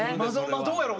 どうやろな？